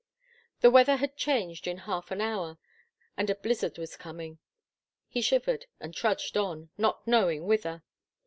The weather had changed in half an hour, and a blizzard was coming. He shivered and trudged on, not knowing whither.